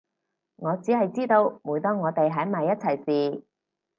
我只係知道每當我哋喺埋一齊時